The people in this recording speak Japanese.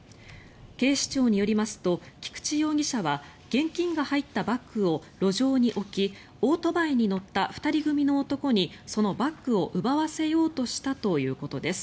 警視庁によりますと菊地容疑者は現金が入ったバッグを路上に置きオートバイに乗った２人組の男にそのバッグを奪わせようとしたということです。